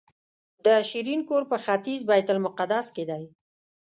د شیرین کور په ختیځ بیت المقدس کې دی.